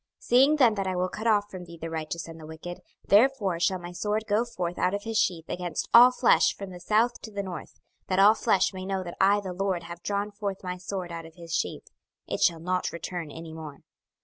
26:021:004 Seeing then that I will cut off from thee the righteous and the wicked, therefore shall my sword go forth out of his sheath against all flesh from the south to the north: 26:021:005 That all flesh may know that I the LORD have drawn forth my sword out of his sheath: it shall not return any more.